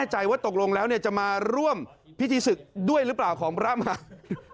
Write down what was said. ใจว่าตกลงแล้วจะมาร่วมพิธีศึกด้วยหรือเปล่าของพระมหาศ